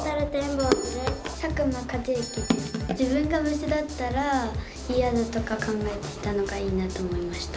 自分が虫だったら嫌だとか考えていたのがいいなと思いました。